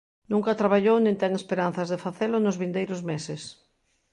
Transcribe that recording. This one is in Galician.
Nunca traballou nin ten esperanzas de facelo nos vindeiros meses.